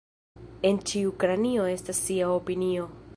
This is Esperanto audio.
En ĉiu kranio estas sia opinio.